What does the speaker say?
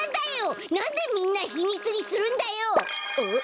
なんでみんなひみつにするんだよ！